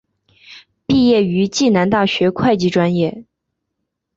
毕业于暨南大学会计专业。